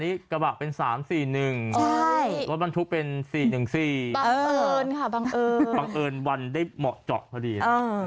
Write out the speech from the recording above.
อันนี้กระบะเป็น๓๔๑วันทุกเป็น๔๑๔บังเอิญวันได้เหมาะเจาะพอดี